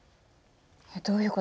どういう事？